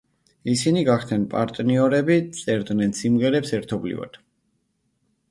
ისინი გახდნენ პარტნიორები, წერდნენ სიმღერებს ერთობლივად.